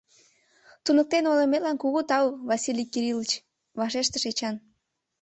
— Туныктен ойлыметлан кугу тау, Василий Кирилыч! — вашештыш Эчан.